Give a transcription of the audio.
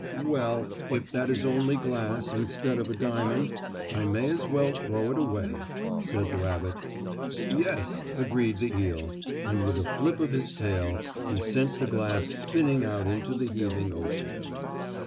"Well, if that is only glass, instead of a diamond, I may as well throw it away," said the rabbit. "Yes," agreed the eel, and with a flip of his tail he sent the glass spinning out into the heaving ocean.